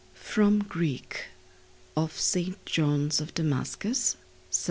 From Greek of St. John of Damascus, 787.